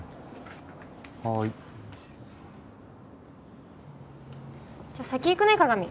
はーい。じゃあ先行くね加賀美。